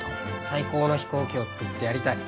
最高の飛行機を作ってやりたい。